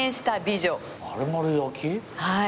はい。